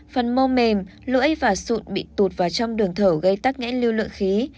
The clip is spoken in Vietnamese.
phần mô mềm lưỡi và sụn bị tụt vào trong đường thở gây tắc nghẽn lưu lượng khí